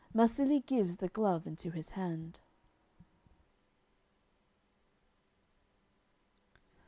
Marsilie gives the glove into his hand.